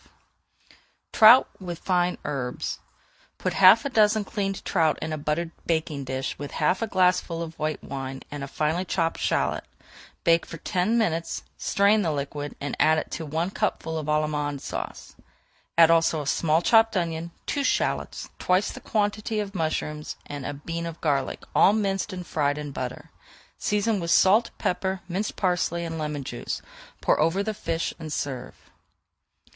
[Page 419] TROUT WITH FINE HERBS Put half a dozen cleaned trout in a buttered baking dish with half a glassful of white wine, and a finely chopped shallot. Bake for ten minutes, strain the liquid, and add to it one cupful of Allemande Sauce. Add also a small chopped onion, two shallots, twice the quantity of mushrooms, and a bean of garlic, all minced and fried in butter. Season with salt, pepper, minced parsley, and lemon juice; pour over the fish and serve.